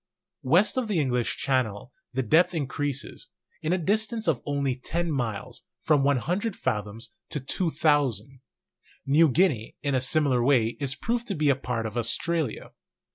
West of the English Channel the depth increases, in a distance of only ten miles, from 100 fathoms to 2,000. New Guinea in a similar way is proved to be a part of Australia.